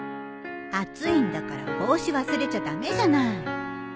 暑いんだから帽子忘れちゃ駄目じゃない。